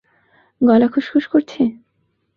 গলা খুশখুশ করছে?